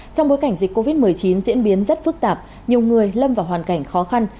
trong bối cảnh dịch covid một mươi chín diễn biến rất phức tạp nhiều người lâm vào hoàn cảnh khó khăn